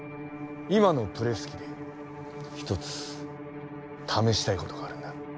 今のプレス機で１つ試したいことがあるんだ。